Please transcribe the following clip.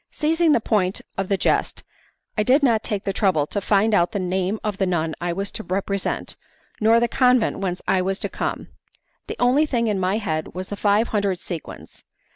Seizing the point of the jest, I did not take the trouble to find out the name of the nun I was to represent, nor the convent whence I was to come; the only thing in my head was the five hundred sequins.